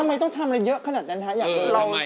ทำไมต้องทำอะไรเยอะขนาดนั้นนะ